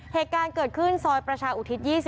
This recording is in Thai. เหตุการณ์เกิดขึ้นซอยประชาอุทิศ๒๔